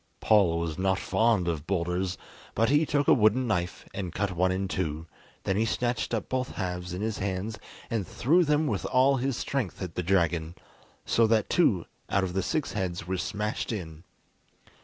Paul was not fond of boulders, but he took a wooden knife and cut one in two, then he snatched up both halves in his hands and threw them with all his strength at the dragon, so that two out of the six heads were smashed in.